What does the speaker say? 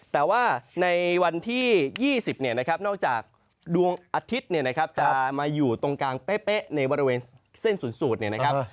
แต่ว่าในวันที่๒๐เนี่ยนะครับนอกจากดวงอาทิตย์เนี่ยนะครับจะมาอยู่ตรงกลางเป๊ะในบริเวณเส้นศูนย์สูตรเนี่ยนะครับ